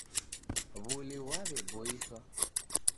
W'uli ghwaw'eboiswa.